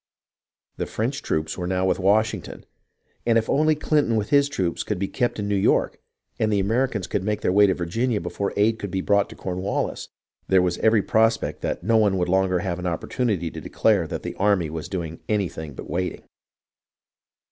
The French troops were now with Washington ; and if only Clinton with his troops could be kept in New York, and the Americans could make their way to Virginia before aid could be brought Cornwallis, there was every prospect that no one would longer have an opportunity to declare that the army was not doing anything but waiting.